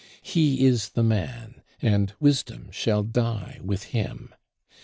He is the man, and wisdom shall die with him.